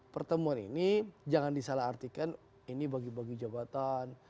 pertemuan ini jangan disalah artikan ini bagi bagi jabatan